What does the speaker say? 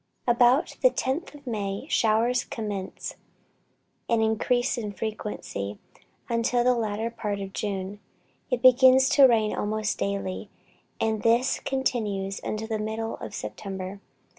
About the 10th of May showers commence, and increase in frequency, until, in the latter part of June, it begins to rain almost daily, and this continues until the middle of September.